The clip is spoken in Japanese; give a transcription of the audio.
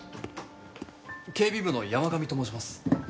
警備部の山上と申します。